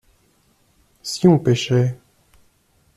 Si on pêchait.